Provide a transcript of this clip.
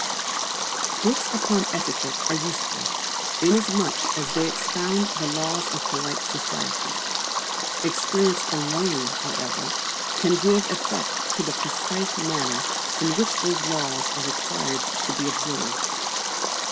Books upon Etiquette are useful, inasmuch as they expound the laws of polite society. Experience alone, however, can give effect to the precise manner in which those laws are required to be observed.